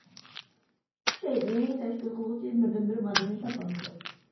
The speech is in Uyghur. شەيئىنى تەشكىل قىلغۇچى بىردىنبىر ماددىنى تاپالمىدۇق.